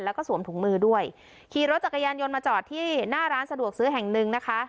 แล้วก็สวมถุงมือด้วยขี่รถจักรยานยนต์มาจอดที่หน้าร้านสะดวกซื้อแห่งหนึ่งนะคะ